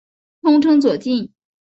通称左近。